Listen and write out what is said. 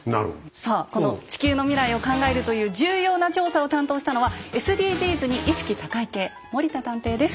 さあこの地球の未来を考えるという重要な調査を担当したのはＳＤＧｓに意識高い系森田探偵です。